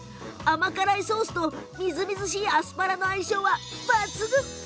甘辛いソースと、みずみずしいアスパラの相性は抜群。